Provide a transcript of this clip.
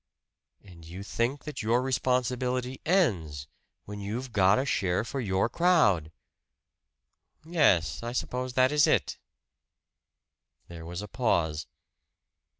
"And you think that your responsibility ends when you've got a share for your crowd!" "Yes I suppose that is it." There was a pause.